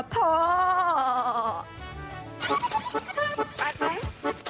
แปลง